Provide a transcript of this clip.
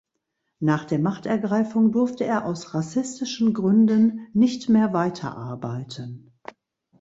Nach der Machtergreifung durfte er aus rassistischen Gründen nicht mehr weiterarbeiten.